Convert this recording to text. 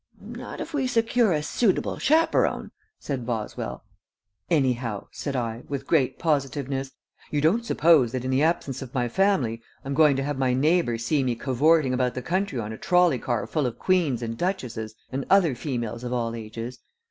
"Not if we secure a suitable chaperon," said Boswell. "Anyhow!" said I, with great positiveness. "You don't suppose that in the absence of my family I'm going to have my neighbors see me cavorting about the country on a trolley car full of queens and duchesses and other females of all ages?